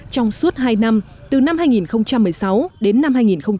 trong suốt hai năm từ năm hai nghìn một mươi sáu đến năm hai nghìn một mươi tám